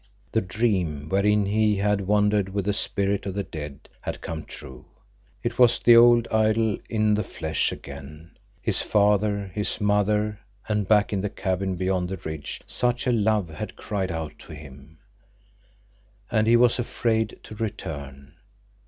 The dream wherein he had wandered with a spirit of the dead had come true; it was the old idyl in the flesh again, his father, his mother—and back in the cabin beyond the ridge such a love had cried out to him. And he was afraid to return.